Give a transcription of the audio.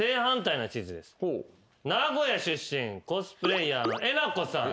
名古屋出身コスプレイヤーのえなこさん。